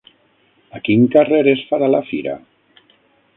A quin carrer es farà la fira?